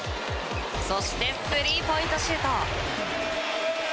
そしてスリーポイントシュート！